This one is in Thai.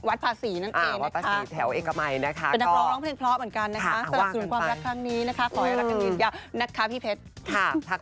วัดภาษีนั่นเองนะคะเป็นนักร้องร้องเพลงเพลาะเหมือนกันนะคะสลับสนุนความรักครั้งนี้นะคะขออนุญาตรักกันดีกว่าพี่เพชร